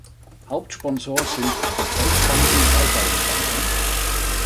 Hauptsponsor sind die Volksbanken Raiffeisenbanken.